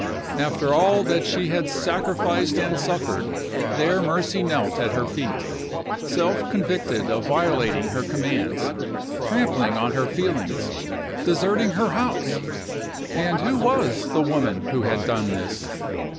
After all that she had sacrificed and suffered, there Mercy knelt at her feet, self convicted of violating her commands, trampling on her feelings, deserting her house! And who was the woman who had done this?